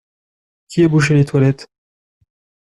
Qui a bouché les toilettes?